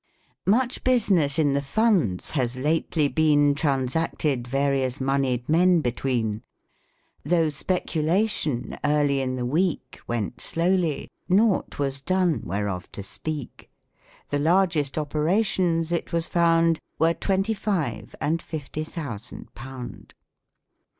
" Much business in the Funds has lately been Transacted various monied men between ; Though speculation early in the week 122 THE COMIC ENGLISH GRAMMAR. Went slowly ; nought was done whereof to speak. The largest operations, it was found, Were twenty five and fifty thousand pownd."